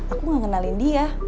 aku gak ngenalin dia